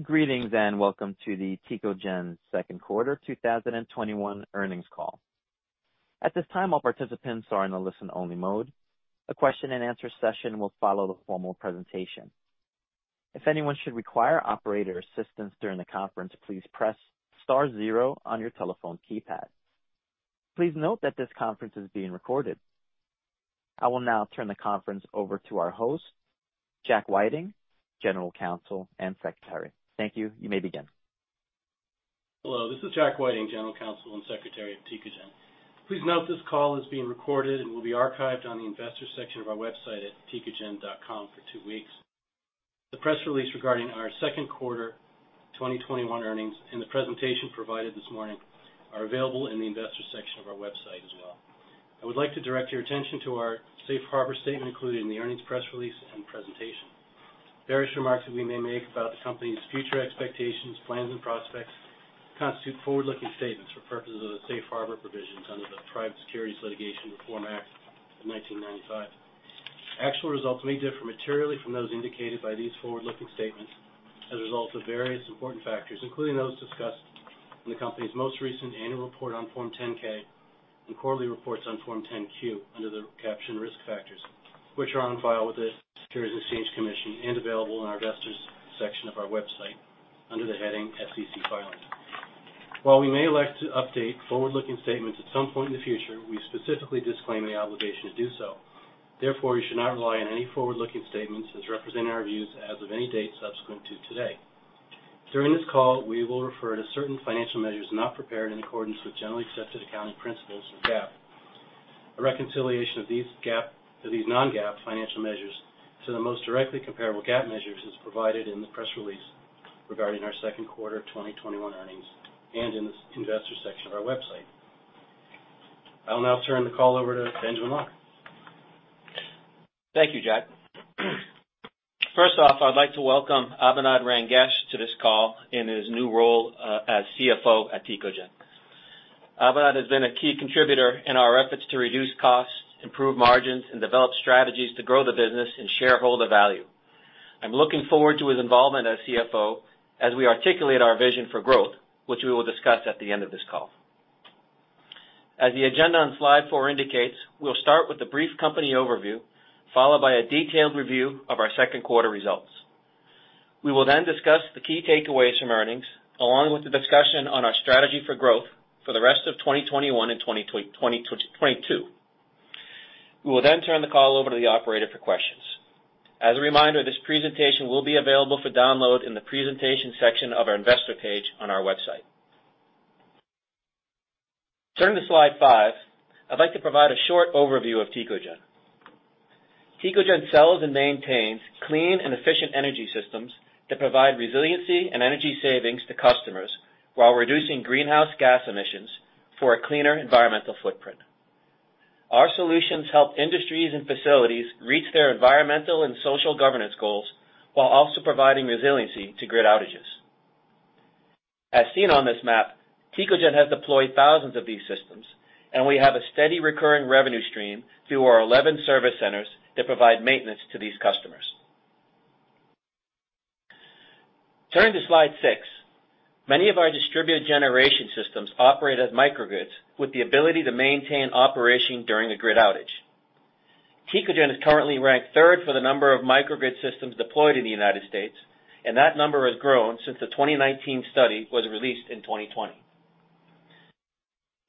Greetings, welcome to the Tecogen second quarter 2021 earnings call. At this time, all participants are in a listen-only mode. A question and answer session will follow the formal presentation. If anyone should require operator assistance during the conference, please press star zero on your telephone keypad. Please note that this conference is being recorded. I will now turn the conference over to our host, Jack Whiting, General Counsel and Secretary. Thank you. You may begin. Hello. This is Jack Whiting, General Counsel and Secretary of Tecogen. Please note this call is being recorded and will be archived on the investor section of our website at tecogen.com for two weeks. The press release regarding our second quarter 2021 earnings and the presentation provided this morning are available in the investor section of our website as well. I would like to direct your attention to our safe harbor statement included in the earnings press release and presentation. Various remarks that we may make about the company's future expectations, plans, and prospects constitute forward-looking statements for purposes of the safe harbor provisions under the Private Securities Litigation Reform Act of 1995. Actual results may differ materially from those indicated by these forward-looking statements as a result of various important factors, including those discussed in the company's most recent annual report on Form 10-K and quarterly reports on Form 10-Q under the caption Risk Factors, which are on file with the Securities and Exchange Commission and available on investor section of our website under the heading SEC Filings. While we may elect to update forward-looking statements at some point in the future, we specifically disclaim any obligation to do so. Therefore, you should not rely on any forward-looking statements as representing our views as of any date subsequent to today. During this call, we will refer to certain financial measures not prepared in accordance with generally accepted accounting principles or GAAP. A reconciliation of these non-GAAP financial measures to the most directly comparable GAAP measures is provided in the press release regarding our second quarter 2021 earnings and in the investor section of our website. I'll now turn the call over to Benjamin Locke. Thank you, Jack. First off, I'd like to welcome Abinand Rangesh to this call in his new role as CFO at Tecogen. Abinand has been a key contributor in our efforts to reduce costs, improve margins, and develop strategies to grow the business and shareholder value. I'm looking forward to his involvement as CFO as we articulate our vision for growth, which we will discuss at the end of this call. As the agenda on slide four indicates, we'll start with a brief company overview, followed by a detailed review of our second quarter results. We will discuss the key takeaways from earnings, along with the discussion on our strategy for growth for the rest of 2021 and 2022. We will turn the call over to the operator for questions. As a reminder, this presentation will be available for download in the presentation section of our investor page on our website. Turning to slide five, I'd like to provide a short overview of Tecogen. Tecogen sells and maintains clean and efficient energy systems that provide resiliency and energy savings to customers while reducing greenhouse gas emissions for a cleaner environmental footprint. Our solutions help industries and facilities reach their environmental and social governance goals while also providing resiliency to grid outages. As seen on this map, Tecogen has deployed thousands of these systems, and we have a steady recurring revenue stream through our 11 service centers that provide maintenance to these customers. Turning to slide six. Many of our distributed generation systems operate as microgrids with the ability to maintain operation during a grid outage. Tecogen is currently ranked third for the number of microgrid systems deployed in the U.S., and that number has grown since the 2019 study was released in 2020.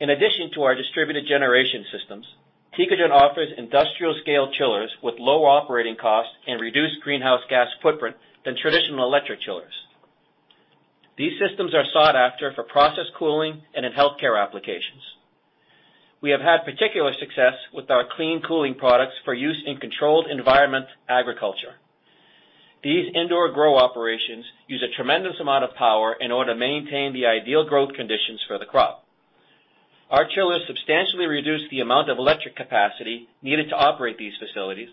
In addition to our distributed generation systems, Tecogen offers industrial-scale chillers with lower operating costs and reduced greenhouse gas footprint than traditional electric chillers. These systems are sought after for process cooling and in healthcare applications. We have had particular success with our clean cooling products for use in controlled environment agriculture. These indoor grow operations use a tremendous amount of power in order to maintain the ideal growth conditions for the crop. Our chillers substantially reduce the amount of electric capacity needed to operate these facilities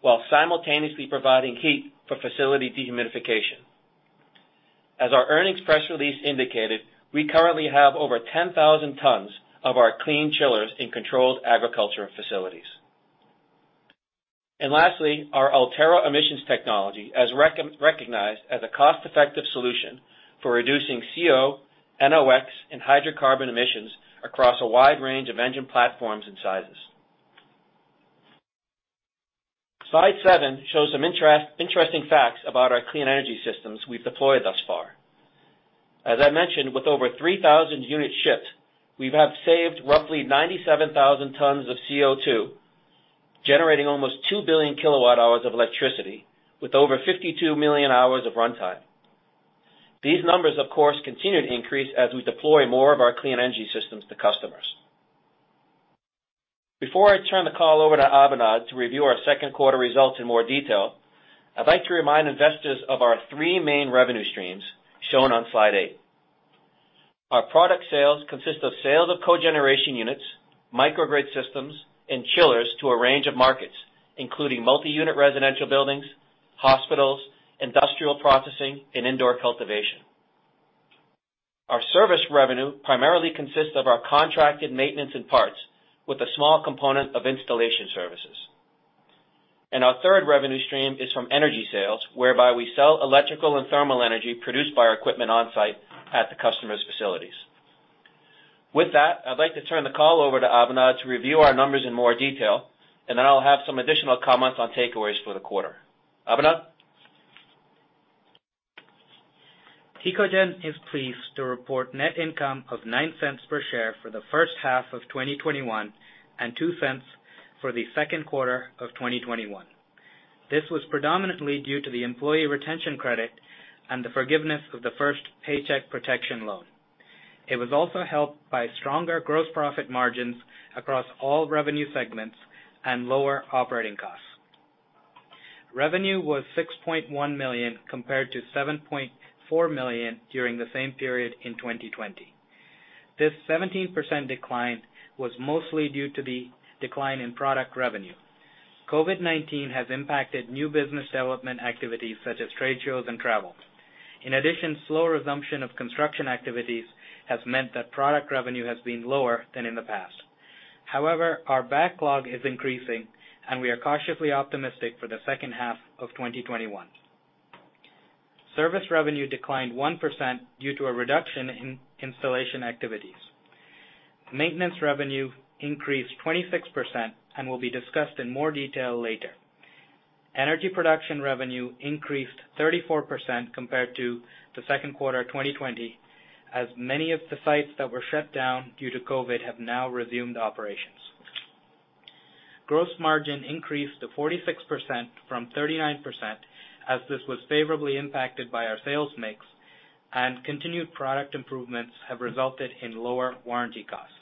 while simultaneously providing heat for facility dehumidification. As our earnings press release indicated, we currently have over 10,000 tons of our clean chillers in controlled agriculture facilities. Lastly, our Ultera emissions technology is recognized as a cost-effective solution for reducing CO, NOX, and hydrocarbon emissions across a wide range of engine platforms and sizes. Slide seven shows some interesting facts about our clean energy systems we've deployed thus far. As I mentioned, with over 3,000 units shipped, we have saved roughly 97,000 tons of CO2, generating almost two billion kilowatt hours of electricity with over 52 million hours of runtime. These numbers, of course, continue to increase as we deploy more of our clean energy systems to customers. Before I turn the call over to Abinand to review our second quarter results in more detail, I'd like to remind investors of our three main revenue streams, shown on slide eight. Our product sales consist of sales of cogeneration units, microgrid systems, and chillers to a range of markets, including multi-unit residential buildings, hospitals, industrial processing, and indoor cultivation. Service revenue primarily consists of our contracted maintenance and parts, with a small component of installation services. Our third revenue stream is from energy sales, whereby we sell electrical and thermal energy produced by our equipment on-site at the customer's facilities. With that, I'd like to turn the call over to Abinand to review our numbers in more detail. Then I'll have some additional comments on takeaways for the quarter. Abinand? Tecogen is pleased to report net income of $0.09 per share for the first half of 2021, $0.02 for the second quarter of 2021. This was predominantly due to the Employee Retention Credit and the forgiveness of the first Paycheck Protection loan. It was also helped by stronger gross profit margins across all revenue segments and lower operating costs. Revenue was $6.1 million compared to $7.4 million during the same period in 2020. This 17% decline was mostly due to the decline in product revenue. COVID-19 has impacted new business development activities such as trade shows and travel. Slow resumption of construction activities has meant that product revenue has been lower than in the past. Our backlog is increasing, we are cautiously optimistic for the second half of 2021. Service revenue declined 1% due to a reduction in installation activities. Maintenance revenue increased 26%. Will be discussed in more detail later. Energy production revenue increased 34% compared to the second quarter of 2020, many of the sites that were shut down due to COVID-19 have now resumed operations. Gross margin increased to 46% from 39%, this was favorably impacted by our sales mix. Continued product improvements have resulted in lower warranty costs.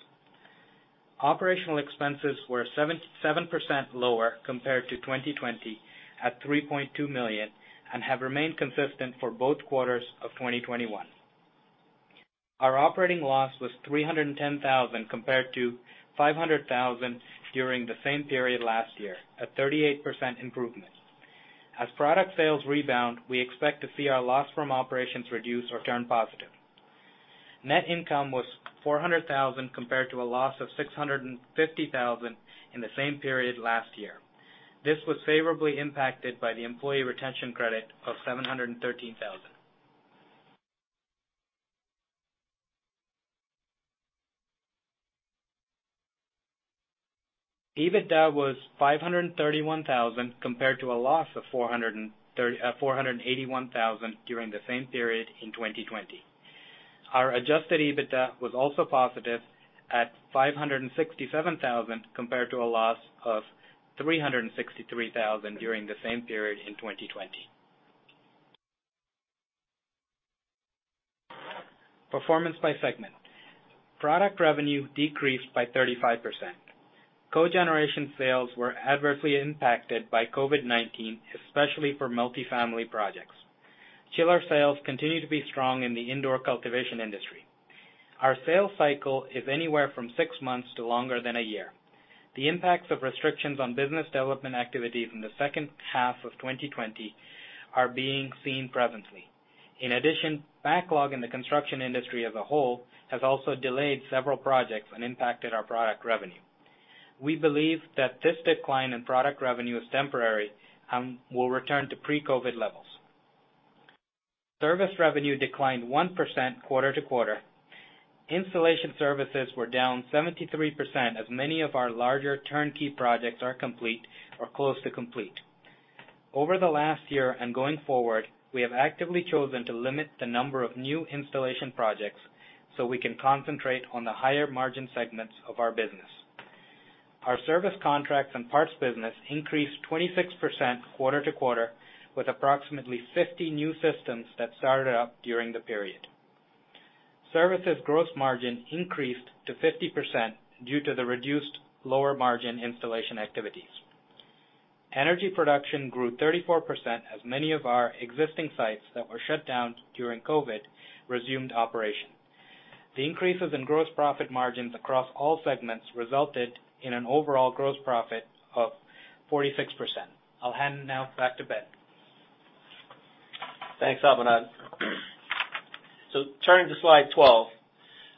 Operational expenses were 7% lower compared to 2020 at $3.2 million, have remained consistent for both quarters of 2021. Our operating loss was $310,000 compared to $500,000 during the same period last year, a 38% improvement. As product sales rebound, we expect to see our loss from operations reduce or turn positive. Net income was $400,000 compared to a loss of $650,000 in the same period last year. This was favorably impacted by the Employee Retention Credit of $713,000. EBITDA was $531,000 compared to a loss of $481,000 during the same period in 2020. Our adjusted EBITDA was also positive at $567,000 compared to a loss of $363,000 during the same period in 2020. Performance by segment. Product revenue decreased by 35%. cogeneration sales were adversely impacted by COVID-19, especially for multi-family projects. Chiller sales continue to be strong in the indoor cultivation industry. Our sales cycle is anywhere from 6 months to longer than 1 year. The impacts of restrictions on business development activity from the second half of 2020 are being seen presently. Backlog in the construction industry as a whole has also delayed several projects and impacted our product revenue. We believe that this decline in product revenue is temporary and will return to pre-COVID-19 levels. Service revenue declined 1% quarter-to-quarter. Installation services were down 73%, as many of our larger turnkey projects are complete or close to complete. Over the last year and going forward, we have actively chosen to limit the number of new installation projects so we can concentrate on the higher-margin segments of our business. Our service contracts and parts business increased 26% quarter-to-quarter, with approximately 50 new systems that started up during the period. Services gross margin increased to 50% due to the reduced lower-margin installation activities. Energy production grew 34%, as many of our existing sites that were shut down during COVID resumed operation. The increases in gross profit margins across all segments resulted in an overall gross profit of 46%. I'll hand it now back to Ben. Thanks, Abinand. Turning to slide 12,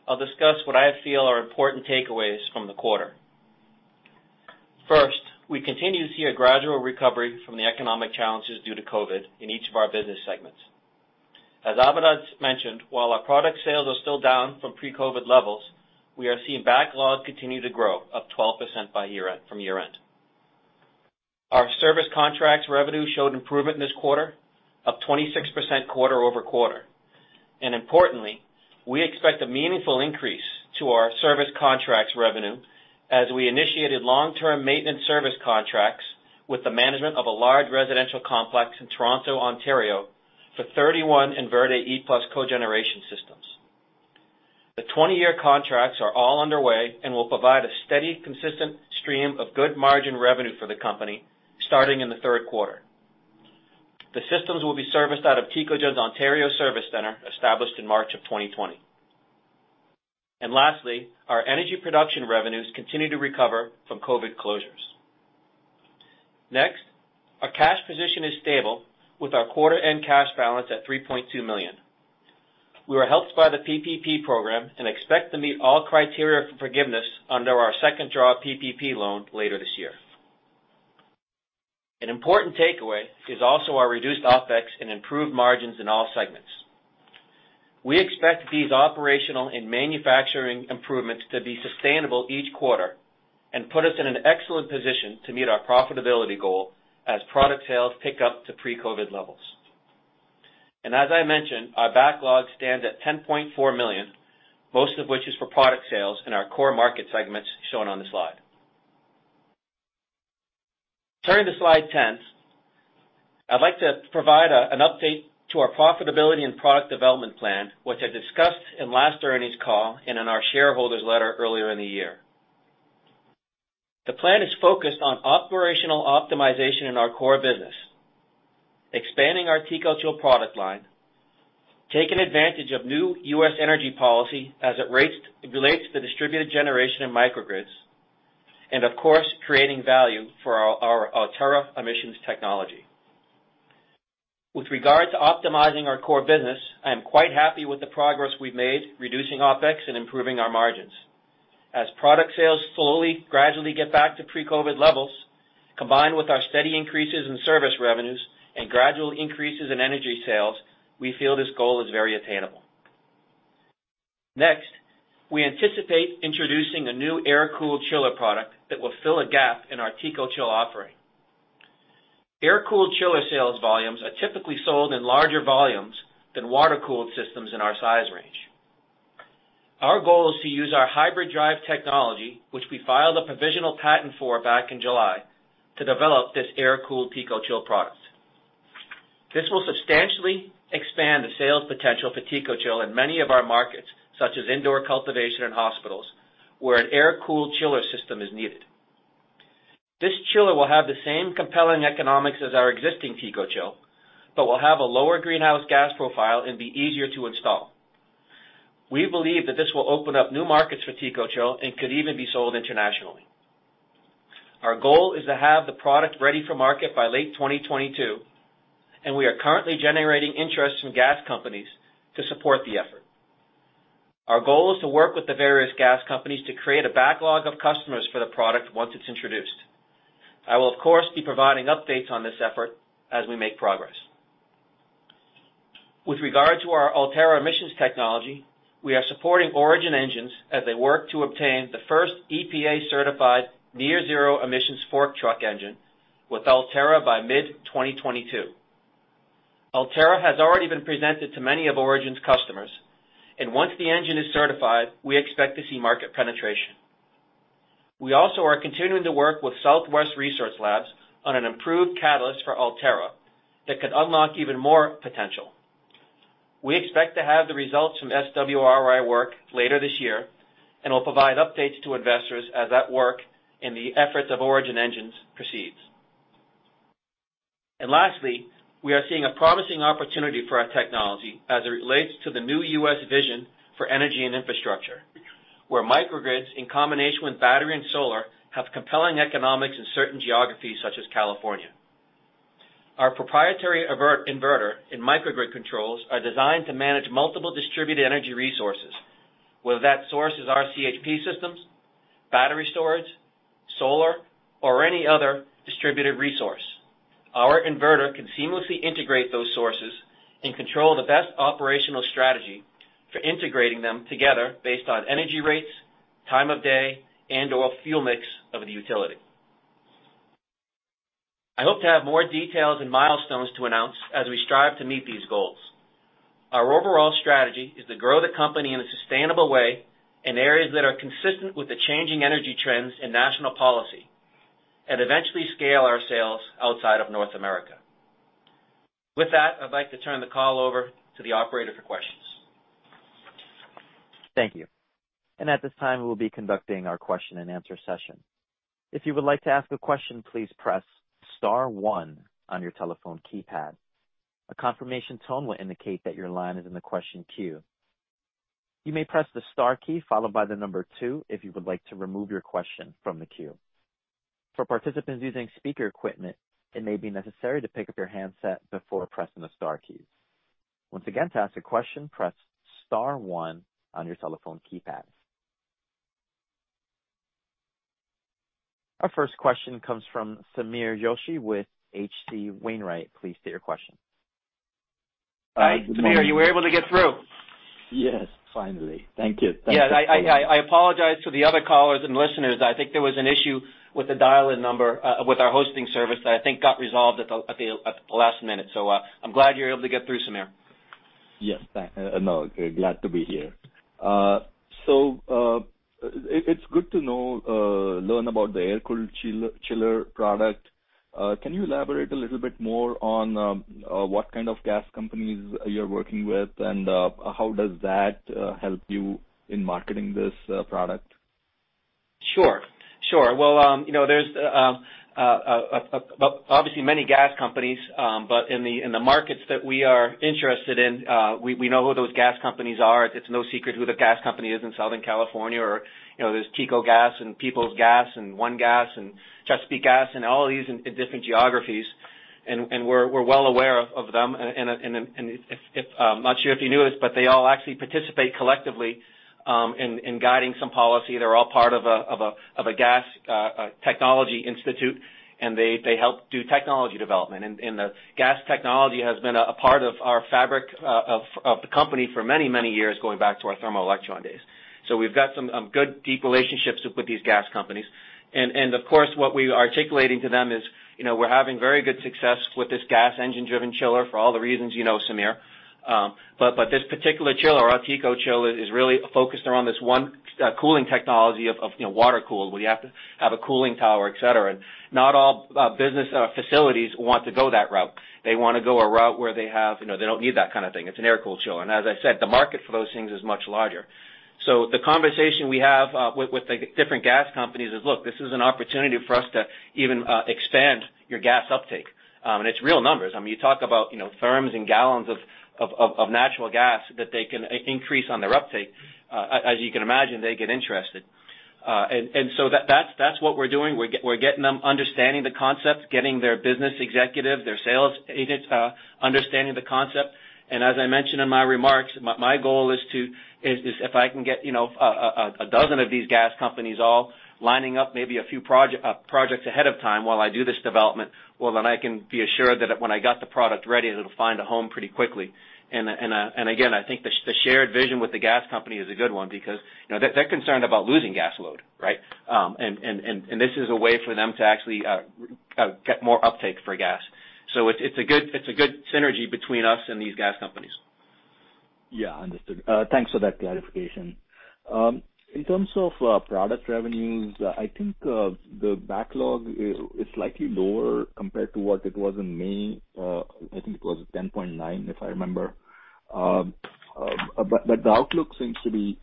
I'll discuss what I feel are important takeaways from the quarter. First, we continue to see a gradual recovery from the economic challenges due to COVID in each of our business segments. As Abinand's mentioned, while our product sales are still down from pre-COVID levels, we are seeing backlog continue to grow up 12% from year-end. Our service contracts revenue showed improvement this quarter, up 26% quarter-over-quarter. Importantly, we expect a meaningful increase to our service contracts revenue as we initiated long-term maintenance service contracts with the management of a large residential complex in Toronto, Ontario for 31 InVerde e+ cogeneration systems. The 20-year contracts are all underway and will provide a steady, consistent stream of good margin revenue for the company, starting in the third quarter. The systems will be serviced out of Tecogen's Ontario Service Center, established in March of 2020. Lastly, our energy production revenues continue to recover from COVID closures. Next, our cash position is stable with our quarter-end cash balance at $3.2 million. We were helped by the PPP program and expect to meet all criteria for forgiveness under our second draw PPP loan later this year. An important takeaway is also our reduced OpEx and improved margins in all segments. We expect these operational and manufacturing improvements to be sustainable each quarter and put us in an excellent position to meet our profitability goal as product sales pick up to pre-COVID levels. As I mentioned, our backlog stands at $10.4 million, most of which is for product sales in our core market segments shown on the slide. Turning to slide 10, I'd like to provide an update to our profitability and product development plan, which I discussed in last earnings call and in our shareholders letter earlier in the year. The plan is focused on operational optimization in our core business, expanding our Tecogen product line, taking advantage of new U.S. energy policy as it relates to distributed generation and microgrids, and of course, creating value for our Ultera emissions technology. With regard to optimizing our core business, I am quite happy with the progress we've made, reducing OpEx and improving our margins. As product sales slowly, gradually get back to pre-COVID levels, combined with our steady increases in service revenues and gradual increases in energy sales, we feel this goal is very attainable. Next, we anticipate introducing a new air-cooled chiller product that will fill a gap in our Tecogen offering. Air-cooled chiller sales volumes are typically sold in larger volumes than water-cooled systems in our size range. Our goal is to use our hybrid drive technology, which we filed a provisional patent for back in July, to develop this air-cooled Tecogen product. This will substantially expand the sales potential for Tecogen in many of our markets, such as indoor cultivation and hospitals, where an air-cooled chiller system is needed. This chiller will have the same compelling economics as our existing Tecogen, Will have a lower greenhouse gas profile and be easier to install. We believe that this will open up new markets for Tecogen and could even be sold internationally. Our goal is to have the product ready for market by late 2022. We are currently generating interest from gas companies to support the effort. Our goal is to work with the various gas companies to create a backlog of customers for the product once it's introduced. I will, of course, be providing updates on this effort as we make progress. With regard to our Ultera emissions technology, we are supporting Origin Engines as they work to obtain the first EPA-certified near-zero emissions fork truck engine with Ultera by mid 2022. Ultera has already been presented to many of Origin's customers. Once the engine is certified, we expect to see market penetration. We also are continuing to work with Southwest Research Institute on an improved catalyst for Ultera that could unlock even more potential. We expect to have the results from SWRI work later this year. Will provide updates to investors as that work and the efforts of Origin Engines proceeds. Lastly, we are seeing a promising opportunity for our technology as it relates to the new U.S. vision for energy and infrastructure, where microgrids, in combination with battery and solar, have compelling economics in certain geographies such as California. Our proprietary inverter and microgrid controls are designed to manage multiple distributed energy resources, whether that source is our CHP systems, battery storage, solar, or any other distributed resource. Our inverter can seamlessly integrate those sources and control the best operational strategy for integrating them together based on energy rates, time of day, or fuel mix of the utility. I hope to have more details and milestones to announce as we strive to meet these goals. Our overall strategy is to grow the company in a sustainable way in areas that are consistent with the changing energy trends in national policy, Eventually scale our sales outside of North America. With that, I'd like to turn the call over to the operator for questions. Thank you. At this time, we'll be conducting our question and answer session. If you would like to ask a question, please press star one on your telephone keypad. A confirmation tone will indicate that your line is in the question queue. You may press the star key followed by the number 2 if you would like to remove your question from the queue. For participants using speaker equipment, it may be necessary to pick up your handset before pressing the star keys. Once again, to ask a question, press star one on your telephone keypad. Our first question comes from Sameer Joshi with H.C. Wainwright. Please state your question. Hi, Sameer. You were able to get through? Yes, finally. Thank you. Yes, I apologize to the other callers and listeners. I think there was an issue with the dial-in number with our hosting service that I think got resolved at the last minute. I'm glad you're able to get through, Sameer. Yes. No, glad to be here. It's good to learn about the air-cooled chiller product. Can you elaborate a little bit more on what kind of gas companies you're working with and how does that help you in marketing this product? Sure. There's obviously many gas companies, in the markets that we are interested in, we know who those gas companies are. It's no secret who the gas company is in Southern California. There's Tecogen Gas and Peoples Gas and ONE Gas and Chesapeake Gas, and all these in different geographies. We're well aware of them. I'm not sure if you knew this, but they all actually participate collectively in guiding some policy. They're all part of a Gas Technology Institute, and they help do technology development. The gas technology has been a part of our fabric of the company for many, many years, going back to our thermoelectric days. We've got some good, deep relationships with these gas companies. Of course, what we are articulating to them is, we're having very good success with this gas engine-driven chiller for all the reasons you know, Sameer. This particular chiller, our TECOCHILL, is really focused around this one cooling technology of water-cooled, where you have to have a cooling tower, et cetera. Not all business facilities want to go that route. They want to go a route where they don't need that kind of thing. It's an air-cooled chiller. As I said, the market for those things is much larger. The conversation we have with the different gas companies is, look, this is an opportunity for us to even expand your gas uptake. It's real numbers. I mean, you talk about therms and gallons of natural gas that they can increase on their uptake. As you can imagine, they get interested. That's what we're doing. We're getting them understanding the concept, getting their business executive, their sales agents, understanding the concept. As I mentioned in my remarks, my goal is if I can get a dozen of these gas companies all lining up maybe a few projects ahead of time while I do this development, then I can be assured that when I got the product ready, it'll find a home pretty quickly. Again, I think the shared vision with the gas company is a good one because they're concerned about losing gas load, right? This is a way for them to actually get more uptake for gas. It's a good synergy between us and these gas companies. Yeah, understood. Thanks for that clarification. In terms of product revenues, I think the backlog is slightly lower compared to what it was in May. I think it was $10.9 if I remember. The outlook seems to be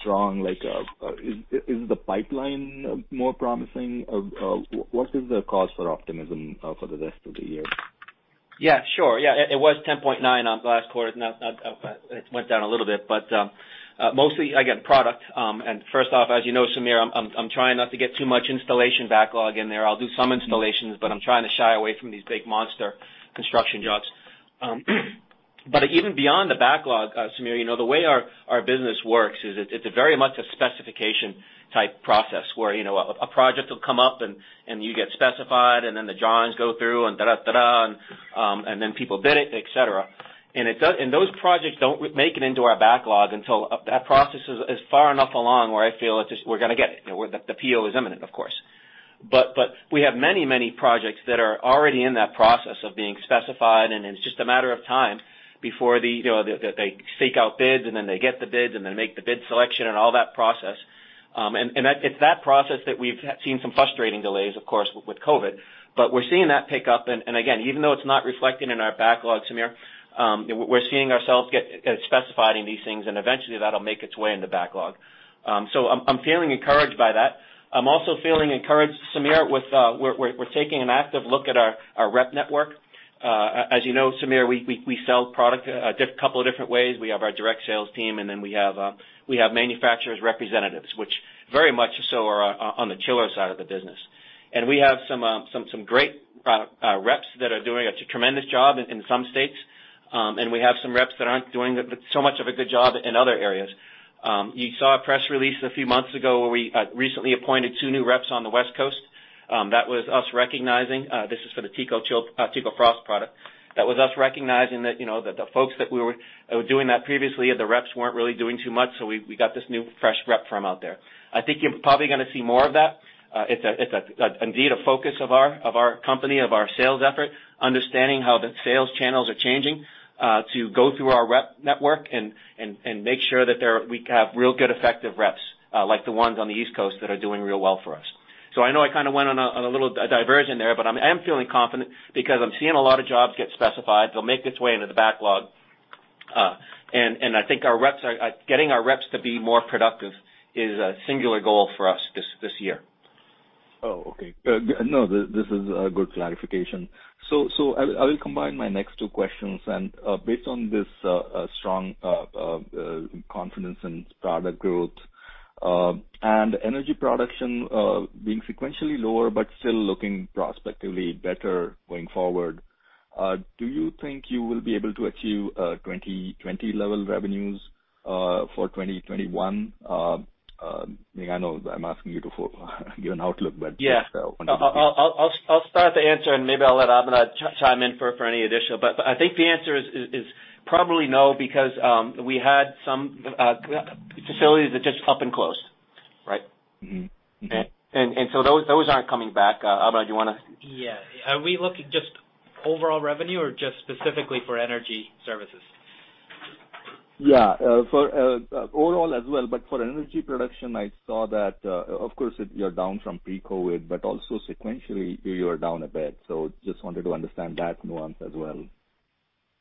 strong. Is the pipeline more promising? What is the cause for optimism for the rest of the year? Yeah, sure. It was $10.9 last quarter. Now it went down a little bit, but mostly, again, product. First off, as you know, Samir, I'm trying not to get too much installation backlog in there. I'll do some installations, but I'm trying to shy away from these big monster construction jobs. Even beyond the backlog, Samir, the way our business works is it's a very much a specification type process where a project will come up, and you get specified, then the drawings go through and then people bid it, et cetera. Those projects don't make it into our backlog until that process is far enough along where I feel it's just we're going to get it, where the PO is imminent, of course. We have many projects that are already in that process of being specified, and it's just a matter of time before they seek out bids, then they get the bids, then make the bid selection, and all that process. It's that process that we've seen some frustrating delays, of course, with COVID. We're seeing that pick up. Again, even though it's not reflected in our backlog, Samir, we're seeing ourselves get specified in these things, and eventually that'll make its way in the backlog. I'm feeling encouraged by that. I'm also feeling encouraged, Samir, with we're taking an active look at our rep network. As you know, Samir, we sell product a couple of different ways. We have our direct sales team, and then we have manufacturer's representatives, which very much so are on the chiller side of the business. We have some great reps that are doing a tremendous job in some states, and we have some reps that aren't doing so much of a good job in other areas. You saw a press release a few months ago where we recently appointed two new reps on the West Coast. This is for the Tecofrost product. That was us recognizing that the folks that were doing that previously, the reps weren't really doing too much. We got this new fresh rep firm out there. I think you're probably going to see more of that. It's indeed a focus of our company, of our sales effort, understanding how the sales channels are changing, to go through our rep network and make sure that we have real good, effective reps, like the ones on the East Coast that are doing real well for us. I know I kind of went on a little diversion there, but I am feeling confident because I'm seeing a lot of jobs get specified. They'll make its way into the backlog. I think getting our reps to be more productive is a singular goal for us this year. Oh, okay. No, this is a good clarification. I will combine my next two questions. Based on this strong confidence in product growth, and energy production being sequentially lower but still looking prospectively better going forward, do you think you will be able to achieve 2020 level revenues for 2021? I mean, I know I'm asking you to give an outlook. Yeah. Wonderful. I'll start the answer, and maybe I'll let Abhinav chime in for any additional. I think the answer is probably no, because we had some facilities that just up and closed, right? Those aren't coming back. Abhinav. Yeah. Are we looking just overall revenue or just specifically for energy services? Yeah. For overall as well, but for energy production, I saw that, of course, you're down from pre-COVID, but also sequentially, you are down a bit. Just wanted to understand that nuance as well.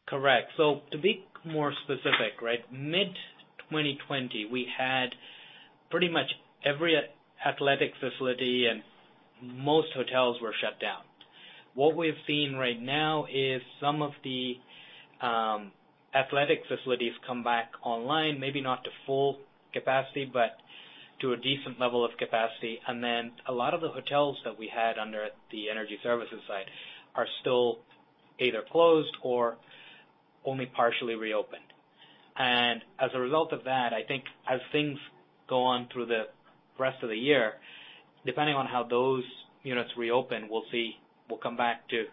Correct. To be more specific, right? Mid 2020, we had pretty much every athletic facility and most hotels were shut down. What we've seen right now is some of the athletic facilities come back online, maybe not to full capacity, but. To a decent level of capacity. A lot of the hotels that we had under the energy services side are still either closed or only partially reopened. As a result of that, I think as things go on through the rest of the year, depending on how those units reopen, we should come back to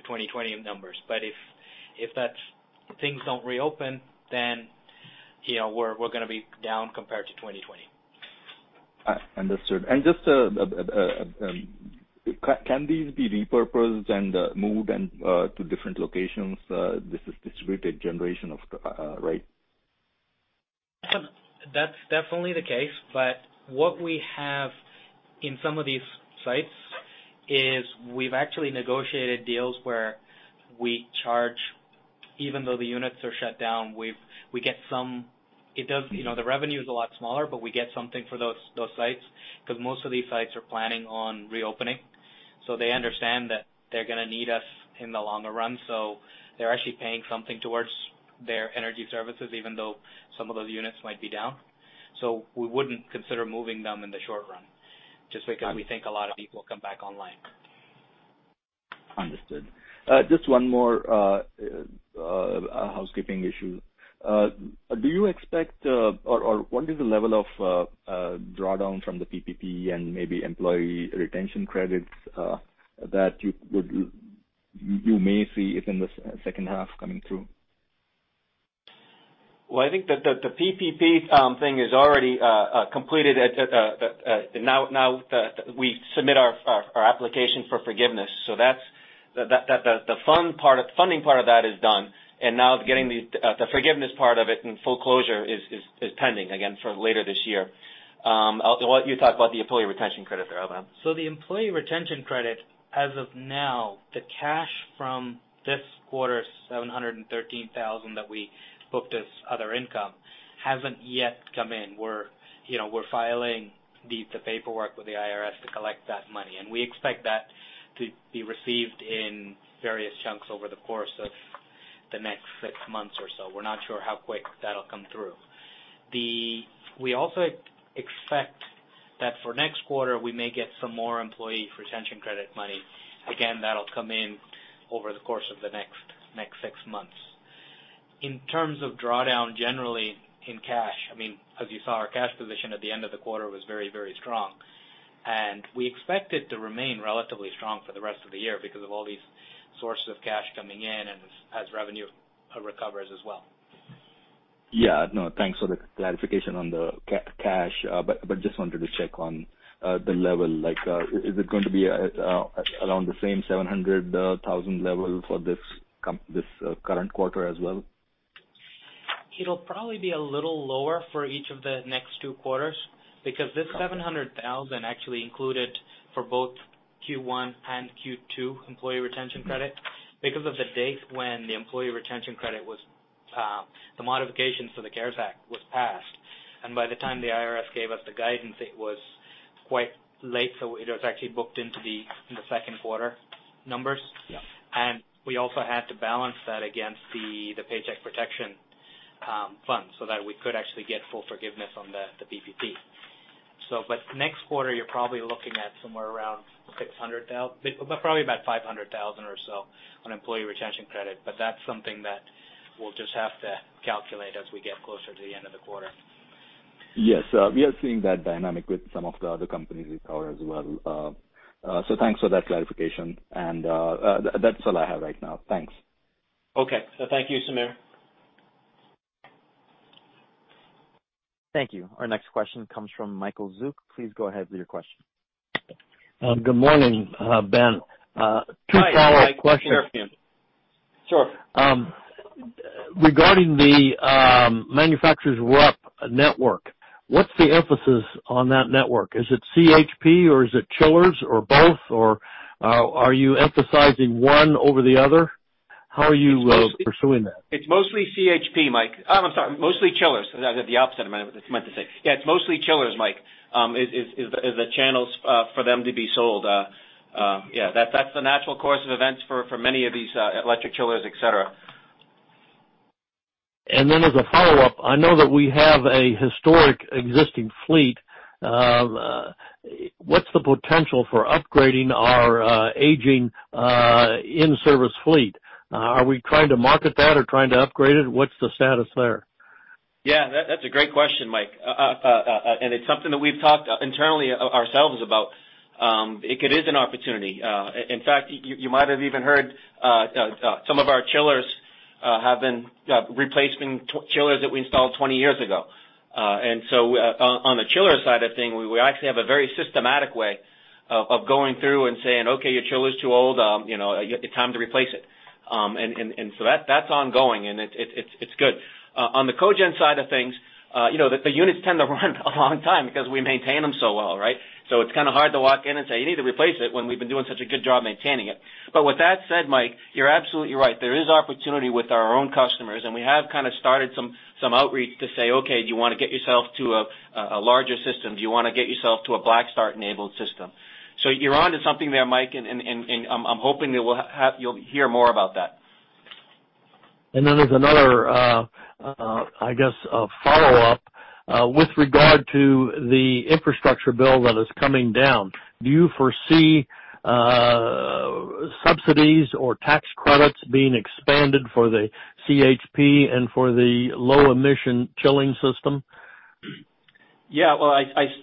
2020 numbers. If things don't reopen, then we're going to be down compared to 2020. Understood. Can these be repurposed and moved to different locations? This is distributed generation, right? That's definitely the case. What we have in some of these sites is we've actually negotiated deals where we charge, even though the units are shut down. The revenue is a lot smaller, but we get something for those sites, because most of these sites are planning on reopening. They understand that they're going to need us in the longer run. They're actually paying something towards their energy services, even though some of those units might be down. We wouldn't consider moving them in the short run, just because we think a lot of people will come back online. Understood. Just one more housekeeping issue. What is the level of drawdown from the PPP and maybe Employee Retention Credits that you may see in the second half coming through? Well, I think the PPP thing is already completed. Now, we submit our application for forgiveness. The funding part of that is done, and now the forgiveness part of it in full closure is pending, again, for later this year. Why don't you talk about the Employee Retention Credit there, Abham? The Employee Retention Credit as of now, the cash from this quarter, $713,000, that we booked as other income, hasn't yet come in. We're filing the paperwork with the IRS to collect that money, and we expect that to be received in various chunks over the course of the next six months or so. We're not sure how quick that'll come through. We also expect that for next quarter, we may get some more Employee Retention Credit money. Again, that'll come in over the course of the next six months. In terms of drawdown, generally in cash, as you saw, our cash position at the end of the quarter was very strong, and we expect it to remain relatively strong for the rest of the year because of all these sources of cash coming in and as revenue recovers as well. Thanks for the clarification on the cash. Just wanted to check on the level. Is it going to be around the same $700,000 level for this current quarter as well? It'll probably be a little lower for each of the next two quarters because this $700,000 actually included for both Q1 and Q2 Employee Retention Credit because of the date when the modifications for the CARES Act was passed. By the time the IRS gave us the guidance, it was quite late. It was actually booked into the second quarter numbers. Yeah. We also had to balance that against the Paycheck Protection Program so that we could actually get full forgiveness on the PPP. Next quarter, you're probably looking at somewhere around probably about $500,000 or so on Employee Retention Credit, that's something that we'll just have to calculate as we get closer to the end of the quarter. Yes. We are seeing that dynamic with some of the other companies we cover as well. Thanks for that clarification. That's all I have right now. Thanks. Okay. Thank you, Sameer. Thank you. Our next question comes from Michael Zuk. Please go ahead with your question. Good morning, Ben. Hi, Mike. Two follow-up questions. Sure. Regarding the Manufacturers Rep network, what's the emphasis on that network? Is it CHP or is it chillers or both or are you emphasizing one over the other? How are you pursuing that? It's mostly CHP, Mike. I'm sorry, mostly chillers. The opposite of what I meant to say. Yeah, it's mostly chillers, Mike, is the channels for them to be sold. Yeah, that's the natural course of events for many of these electric chillers, et cetera. As a follow-up, I know that we have a historic existing fleet. What's the potential for upgrading our aging in-service fleet? Are we trying to market that or trying to upgrade it? What's the status there? Yeah, that's a great question, Mike. It's something that we've talked internally ourselves about. It is an opportunity. In fact, you might have even heard some of our chillers have been replacing chillers that we installed 20 years ago. On the chiller side of things, we actually have a very systematic way of going through and saying, "Okay, your chiller's too old. It's time to replace it." That's ongoing, and it's good. On the cogen side of things, the units tend to run a long time because we maintain them so well, right? It's kind of hard to walk in and say, "You need to replace it," when we've been doing such a good job maintaining it. With that said, Mike, you're absolutely right. There is opportunity with our own customers, and we have kind of started some outreach to say, "Okay, do you want to get yourself to a larger system? Do you want to get yourself to a Blackstart-enabled system?" You're onto something there, Mike, and I'm hoping that you'll hear more about that. There's another follow-up. With regard to the infrastructure bill that is coming down, do you foresee subsidies or tax credits being expanded for the CHP and for the low-emission chilling system? Yeah.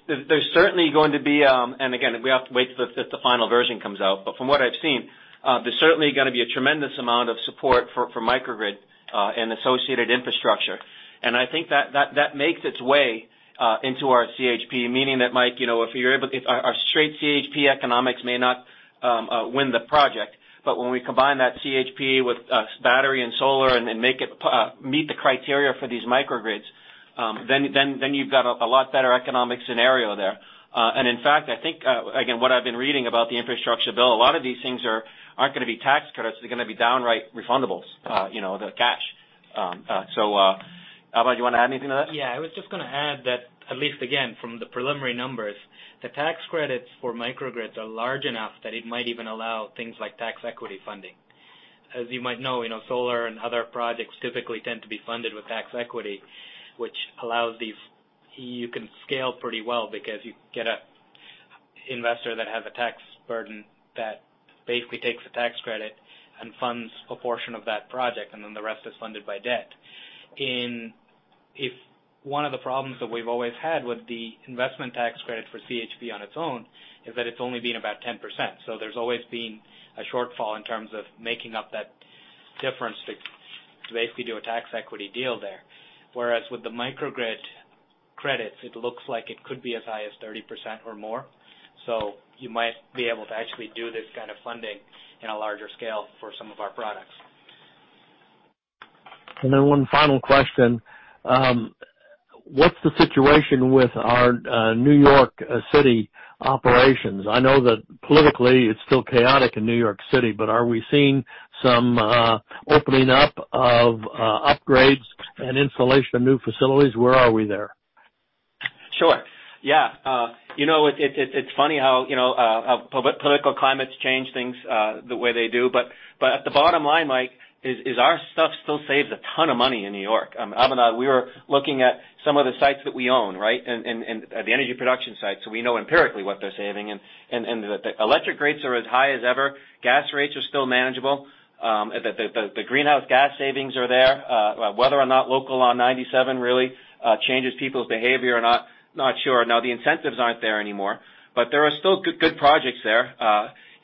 There's certainly going to be, and again, we have to wait till the final version comes out, but from what I've seen, there's certainly going to be a tremendous amount of support for microgrid, and associated infrastructure. I think that makes its way into our CHP, meaning that, Mike, our straight CHP economics may not win the project, but when we combine that CHP with battery and solar and make it meet the criteria for these microgrids, then you've got a lot better economic scenario there. In fact, I think, again, what I've been reading about the infrastructure bill, a lot of these things aren't going to be tax credits. They're going to be downright refundables, the cash. Abinand, do you want to add anything to that? Yeah, I was just going to add that, at least again, from the preliminary numbers, the tax credits for microgrids are large enough that it might even allow things like tax equity funding. As you might know, solar and other projects typically tend to be funded with tax equity, which You can scale pretty well because you get an investor that has a tax burden that basically takes a tax credit and funds a portion of that project, and then the rest is funded by debt. If one of the problems that we've always had with the investment tax credit for CHP on its own, is that it's only been about 10%. There's always been a shortfall in terms of making up that difference to basically do a tax equity deal there. Whereas with the microgrid credits, it looks like it could be as high as 30% or more. You might be able to actually do this kind of funding in a larger scale for some of our products. One final question. What's the situation with our New York City operations? I know that politically it's still chaotic in New York City, but are we seeing some opening up of upgrades and installation of new facilities? Where are we there? Sure. Yeah. It's funny how political climates change things the way they do. At the bottom line, Mike, is our stuff still saves a ton of money in New York. Abhinav and I, we were looking at some of the sites that we own. The energy production sites, so we know empirically what they're saving, and the electric rates are as high as ever. Gas rates are still manageable. The greenhouse gas savings are there. Whether or not Local Law 97 really changes people's behavior or not sure. The incentives aren't there anymore, but there are still good projects there.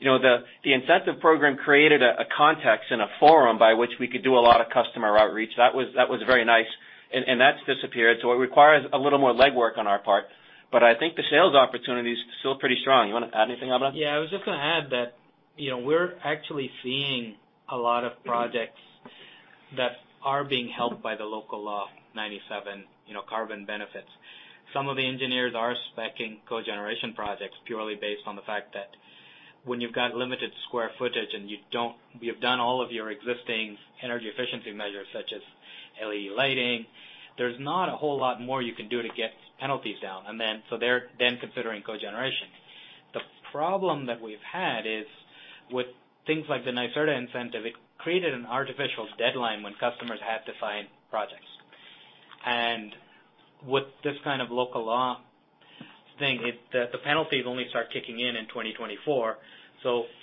The incentive program created a context and a forum by which we could do a lot of customer outreach. That was very nice. That's disappeared, so it requires a little more legwork on our part. I think the sales opportunity is still pretty strong. You want to add anything, Abhinav? Yeah, I was just going to add that we're actually seeing a lot of projects that are being helped by the Local Law 97 carbon benefits. Some of the engineers are spec-ing cogeneration projects purely based on the fact that when you've got limited square footage and you've done all of your existing energy efficiency measures, such as LED lighting, there's not a whole lot more you can do to get penalties down. They're then considering cogeneration. The problem that we've had is with things like the NYSERDA incentive, it created an artificial deadline when customers had to find projects. With this kind of local law thing, the penalties only start kicking in in 2024.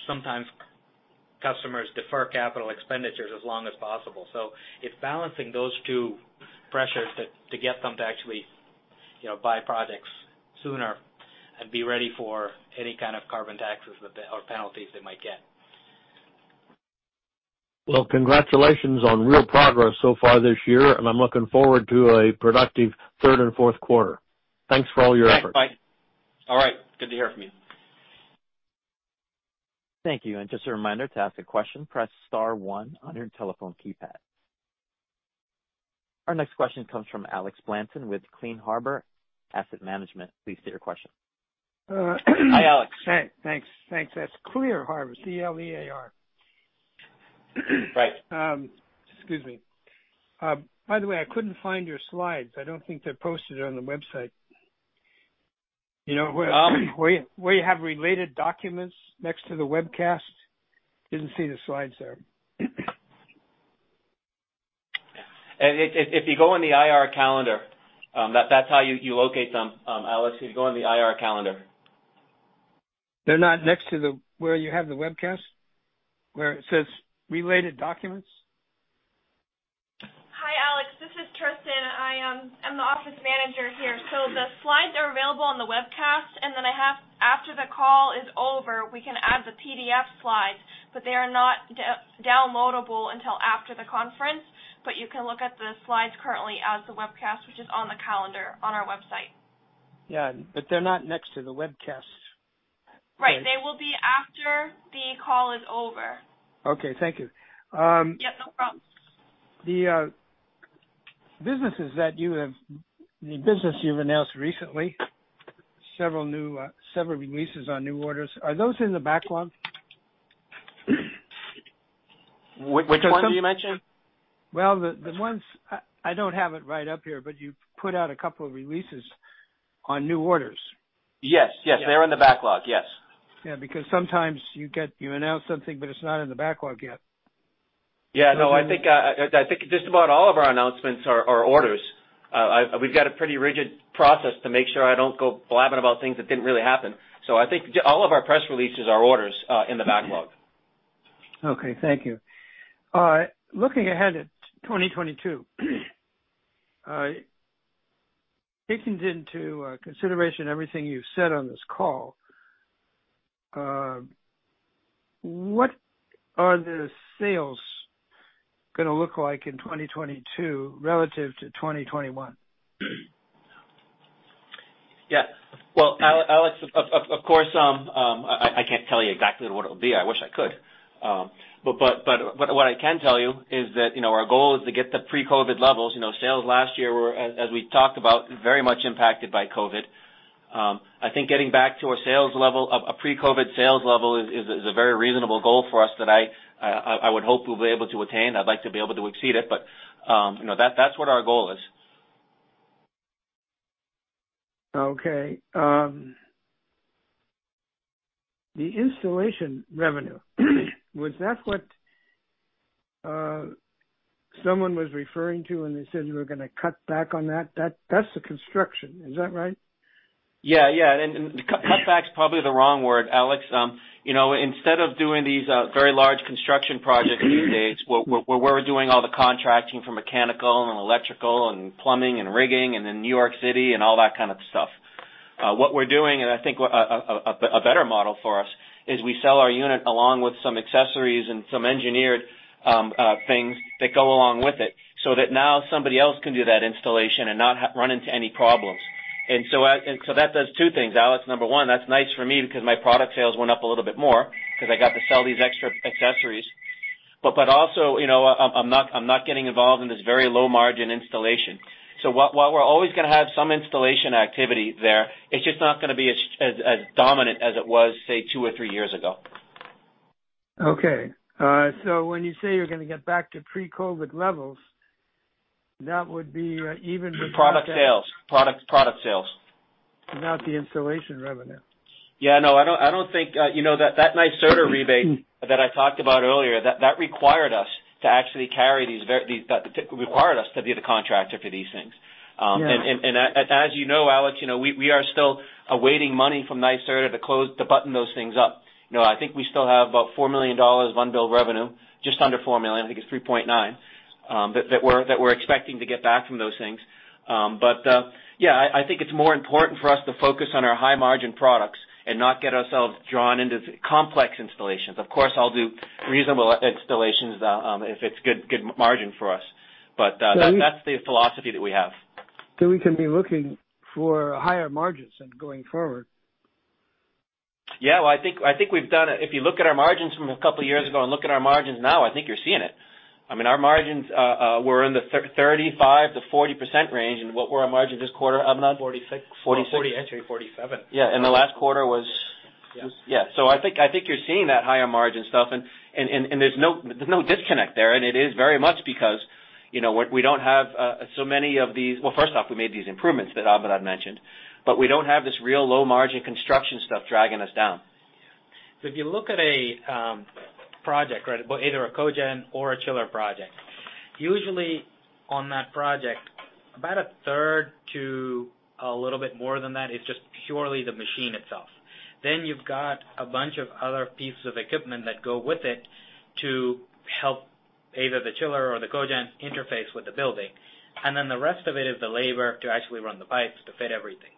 Sometimes customers defer capital expenditures as long as possible. It's balancing those two pressures to get them to actually buy products sooner and be ready for any kind of carbon taxes or penalties they might get. Well, congratulations on real progress so far this year. I'm looking forward to a productive third and fourth quarter. Thanks for all your efforts. Thanks, Mike. All right. Good to hear from you. Thank you. Just a reminder, to ask a question, press star one on your telephone keypad. Our next question comes from Alex Blanton with Clear Harbor Asset Management. Please state your question. Hi, Alex. Hey, thanks. That's Clear Harbor. C-L-E-A-R. Right. Excuse me. By the way, I couldn't find your slides. I don't think they're posted on the website, where you have related documents next to the webcast. Didn't see the slides there. If you go in the IR calendar, that's how you locate them, Alex. If you go in the IR calendar. They're not next to where you have the webcast? Where it says, "Related documents"? Hi, Alex. This is Tristan. I'm the office manager here. The slides are available on the webcast. After the call is over, we can add the PDF slides. They are not downloadable until after the conference. You can look at the slides currently as the webcast, which is on the calendar on our website. Yeah. They're not next to the webcast. Right. They will be after the call is over. Okay, thank you. Yeah, no problem. The business you've announced recently, several releases on new orders. Are those in the backlog? Which ones did you mention? Well, the ones, I don't have it right up here. You put out a couple of releases on new orders? Yes. They're in the backlog. Yes. Sometimes you announce something, but it's not in the backlog yet. Yeah. No, I think just about all of our announcements are orders. We've got a pretty rigid process to make sure I don't go blabbing about things that didn't really happen. I think all of our press releases are orders, in the backlog. Okay, thank you. Looking ahead at 2022, taking into consideration everything you've said on this call, what are the sales going to look like in 2022 relative to 2021? Well, Alex, of course, I can't tell you exactly what it'll be. I wish I could. What I can tell you is that our goal is to get to pre-COVID-19 levels. Sales last year were, as we talked about, very much impacted by COVID-19. I think getting back to a pre-COVID-19 sales level is a very reasonable goal for us that I would hope we'll be able to attain. I'd like to be able to exceed it. That's what our goal is. Okay. The installation revenue. Was that what someone was referring to when they said you were going to cut back on that? That's the construction. Is that right? Cut back is probably the wrong word, Alex. Instead of doing these very large construction projects these days, where we're doing all the contracting for mechanical and electrical and plumbing and rigging, and then New York City and all that kind of stuff. What we're doing, and I think a better model for us, is we sell our unit along with some accessories and some engineered things that go along with it, so that now somebody else can do that installation and not run into any problems. That does two things, Alex. Number one, that's nice for me because my product sales went up a little bit more because I got to sell these extra accessories. Also, I'm not getting involved in this very low-margin installation. While we're always going to have some installation activity there, it's just not going to be as dominant as it was, say, two or three years ago. Okay. When you say you're going to get back to pre-COVID levels, that would be even without- Product sales without the installation revenue. Yeah, no. That NYSERDA rebate that I talked about earlier, that required us to be the contractor for these things. Yeah. As you know, Alex, we are still awaiting money from NYSERDA to button those things up. I think we still have about $4 million of unbilled revenue, just under $4 million, I think it's $3.9 million, that we're expecting to get back from those things. Yeah, I think it's more important for us to focus on our high-margin products and not get ourselves drawn into complex installations. Of course, I'll do reasonable installations if it's good margin for us. That's the philosophy that we have. We can be looking for higher margins then, going forward. Yeah. If you look at our margins from a couple of years ago and look at our margins now, I think you're seeing it. Our margins were in the 35%-40% range. What were our margin this quarter, Abhinav? 46. 46. 48% to 47%. Yeah. The last quarter was. Yeah. Yeah. I think you're seeing that higher margin stuff, and there's no disconnect there. It is very much because we don't have so many of Well, first off, we made these improvements that Abhinav mentioned, but we don't have this real low-margin construction stuff dragging us down. If you look at a project, either a cogen or a chiller project, usually on that project, about a third to a little bit more than that is just purely the machine itself. You've got a bunch of other pieces of equipment that go with it to help either the chiller or the cogen interface with the building. The rest of it is the labor to actually run the pipes to fit everything.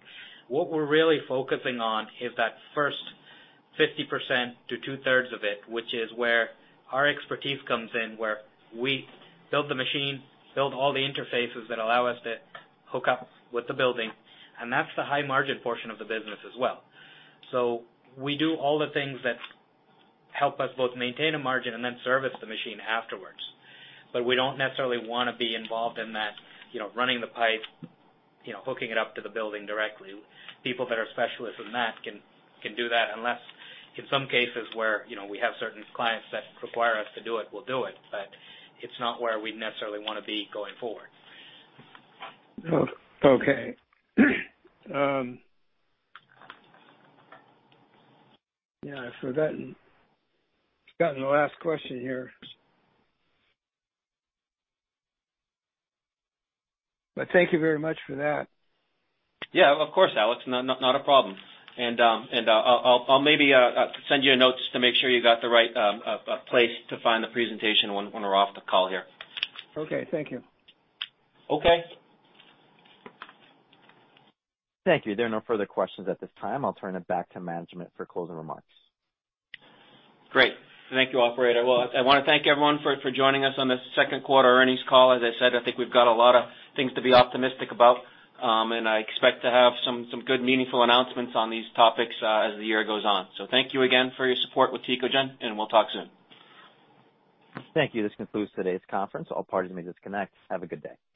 What we're really focusing on is that first 50% to two-thirds of it, which is where our expertise comes in, where we build the machine, build all the interfaces that allow us to hook up with the building, and that's the high-margin portion of the business as well. We do all the things that help us both maintain a margin and then service the machine afterwards. We don't necessarily want to be involved in that running the pipe, hooking it up to the building directly. People that are specialists in that can do that, unless in some cases where we have certain clients that require us to do it, we'll do it, but it's not where we necessarily want to be going forward. Okay. Yeah. That's gotten the last question here. Thank you very much for that. Yeah. Of course, Alex. Not a problem. I'll maybe send you a note just to make sure you got the right place to find the presentation when we're off the call here. Okay. Thank you. Okay. Thank you. There are no further questions at this time. I'll turn it back to management for closing remarks. I want to thank everyone for joining us on this second quarter earnings call. As I said, I think we've got a lot of things to be optimistic about. I expect to have some good meaningful announcements on these topics as the year goes on. Thank you again for your support with Tecogen, and we'll talk soon. Thank you. This concludes today's conference. All parties may disconnect. Have a good day.